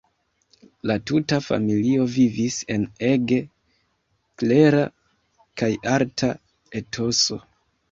La tuta familio vivis en ege klera kaj arta etoso.